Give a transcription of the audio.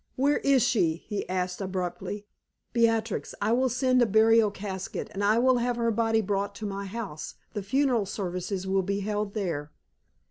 "Where is she?" he asked abruptly. "Beatrix, I will send a burial casket, and I will have her body brought to my house; the funeral services will be held there."